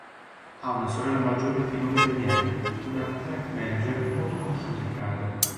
Ha una sorella maggiore di nome Danielle, una "talent manager" molto conosciuta in Canada.